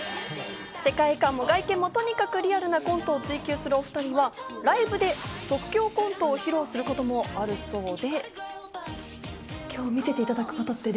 世界観も外見もとにかくリアルなコントを追求するお２人はライブで即興コントを披露することもあるそうで。